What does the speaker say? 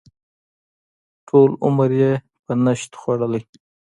ټول عمر یې په نشت خوړلی.